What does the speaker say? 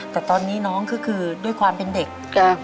แต่ตอนนี้น้องก็คือด้วยความเป็นเด็ก